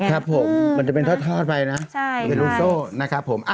ครับผมมันจะเป็นทอดไปนะมันเป็นลูกโซ่นะครับผม